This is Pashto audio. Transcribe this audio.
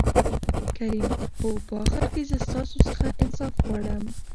کريم : هو په آخر کې زه ستاسو څخه انصاف غواړم.